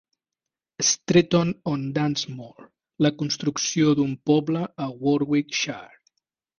"Stretton on Dunsmore: La construcció d'un poble a Warwickshire".